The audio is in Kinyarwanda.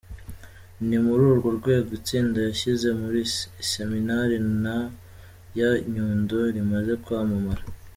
Ni muri urwo rwego itsinda yashize mu iseminari nto ya Nyundo rimaze kwamamara.